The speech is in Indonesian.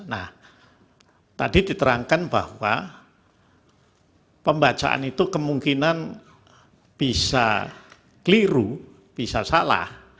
nah tadi diterangkan bahwa pembacaan itu kemungkinan bisa keliru bisa salah